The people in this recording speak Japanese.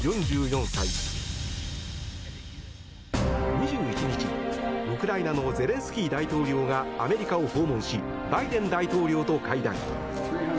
２１日、ウクライナのゼレンスキー大統領がアメリカを訪問しバイデン大統領と会談。